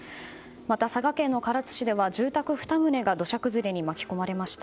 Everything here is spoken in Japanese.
また、佐賀県唐津市では住宅２棟が土砂崩れに巻き込まれました。